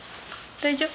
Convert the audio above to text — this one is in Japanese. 大丈夫？